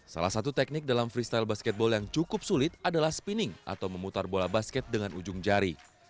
salah satu teknik dalam freestyle basketball yang cukup sulit adalah spinning atau memutar bola basket dengan ujung jari